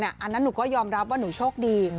อันนั้นหนูก็ยอมรับว่าหนูโชคดี